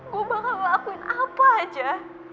gue bakal ngelakuin apa aja